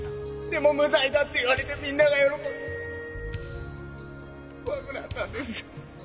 でも無罪だって言われてみんなが喜んで怖くなったんです。